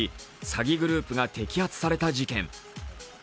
詐欺グループが摘発された事件。